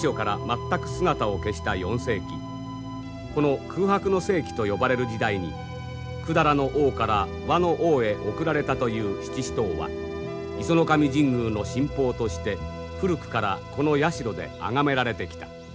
この空白の世紀と呼ばれる時代に百済の王から倭の王へ贈られたという七支刀は石上神宮の神宝として古くからこの社であがめられてきた。